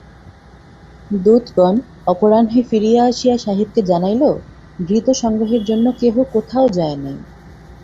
দূতগণ অপরাহ্নে ফিরিয়া আসিয়া সাহেবকে জানাইল, ঘৃত সংগ্রহের জন্য কেহ কোথাও যায় নাই।